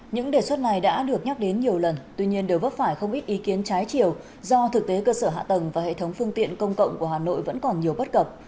những đề xuất này đã được nhắc đến nhiều lần tuy nhiên đều vấp phải không ít ý kiến trái chiều do thực tế cơ sở hạ tầng và hệ thống phương tiện công cộng của hà nội vẫn còn nhiều bất cập